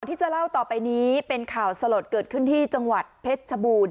ที่จะเล่าต่อไปนี้เป็นข่าวสลดเกิดขึ้นที่จังหวัดเพชรชบูรณ์